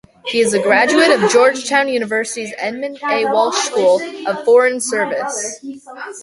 He is a graduate of Georgetown University's Edmund A. Walsh School of Foreign Service.